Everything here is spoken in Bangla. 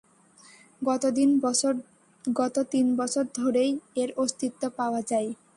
গত তিন বছর ধরেই এর অস্তিত্ব পাওয়া যায়।